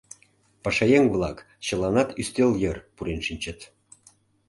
Пашаеҥ-влак чыланат ӱстел йыр пурен шинчыт.